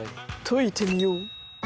解いてみよう。